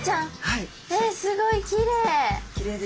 すごいきれい。